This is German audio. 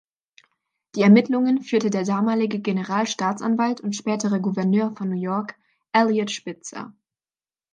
Die Ermittlungen führte der damalige Generalstaatsanwalt und spätere Gouverneur von New York, Eliot Spitzer.